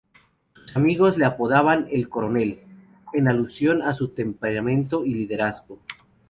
Sus amigos le apodaban "El Coronel" en alusión a su temperamento y liderazgo.